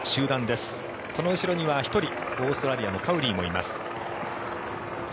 その後ろには１人オーストラリアのカウリーもいます。